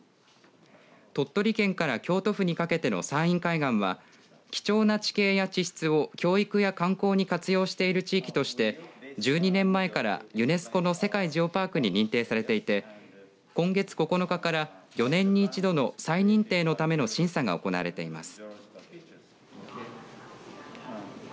鳥取県から京都府にかけての山陰海岸は貴重な地形や地質を教育や観光に活用している地域として１２年前からユネスコの世界ジオパークに認定されていて今月９日から４年に１度の再認定のための審査が行われています。